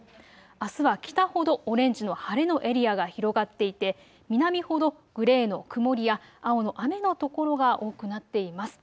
あすは北ほどオレンジの晴れのエリアが広がっていて南ほどグレーの曇りや青の雨の所が多くなっています。